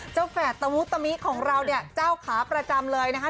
แฝดตะวุตมิของเราเนี่ยเจ้าขาประจำเลยนะคะ